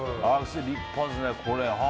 立派ですね、これ。